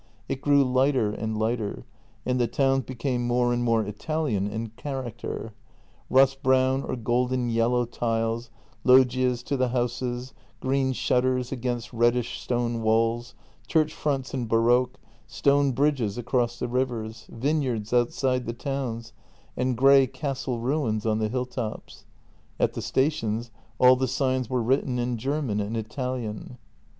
It grew lighter and lighter, and the towns became more and more Italian in character: rust brown or golden yellow tiles, loggias to the houses, green shut ters against reddish stone walls, church fronts in baroque, stone bridges across the rivers, vineyards outside the towns, and grey castle ruins on the hilltops. At the stations all the signs were written in German and Italian.